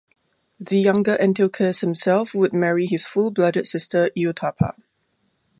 The younger Antiochus himself would marry his full-blooded sister Iotapa.